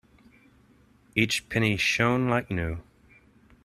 Each penny shone like new.